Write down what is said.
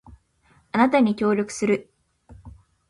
あなたに協力する